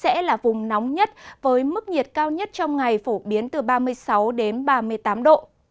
sẽ là vùng nóng nhất với mức nhiệt cao nhất trong ngày phổ biến từ ba mươi sáu đến ba mươi tám độ